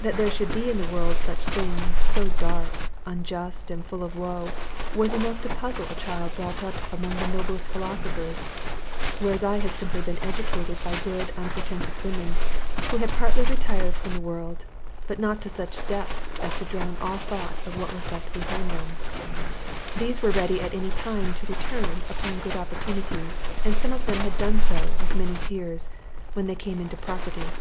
That there should be in the world such things, so dark, unjust, and full of woe, was enough to puzzle a child brought up among the noblest philosophers; whereas I had simply been educated by good unpretentious women, who had partly retired from the world, but not to such a depth as to drown all thought of what was left behind them. These were ready at any time to return upon good opportunity; and some of them had done so, with many tears, when they came into property.